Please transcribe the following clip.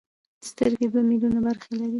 سترګې دوه ملیونه برخې لري.